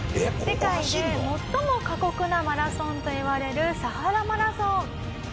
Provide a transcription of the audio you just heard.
世界で最も過酷なマラソンといわれるサハラマラソン。